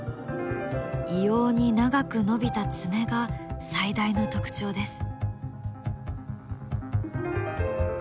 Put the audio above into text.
異様に長く伸びた爪が最大の特徴です。